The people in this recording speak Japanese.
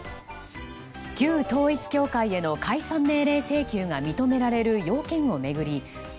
旧統一教会への解散命令請求が認められる要件を巡り